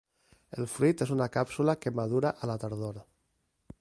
El fruit és una càpsula que madura a la tardor.